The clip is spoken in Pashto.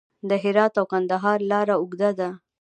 د هرات او کندهار لاره اوږده ده